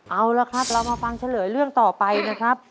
เอาละครับเรามาฟังเฉลยเรื่องต่อไปนะครับ